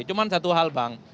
cuma satu hal bang